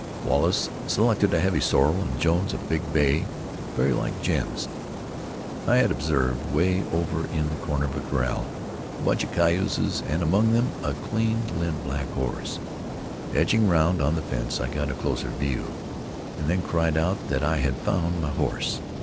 Wallace selected a heavy sorrel, and Jones a big bay; very like Jim's. I had observed, way over in the corner of the corral, a bunch of cayuses, and among them a clean limbed black horse. Edging round on the fence I got a closer view, and then cried out that I had found my horse.